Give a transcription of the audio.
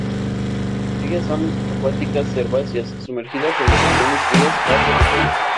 Ellas son acuáticas herbáceas, sumergidas en las regiones frías a tropicales.